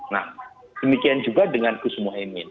nah demikian juga dengan gus mohaimin